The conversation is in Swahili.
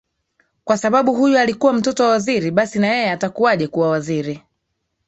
kwa sababu huyu alikuwa mtoto wa waziri basi nayee atakuaje kuwa waziri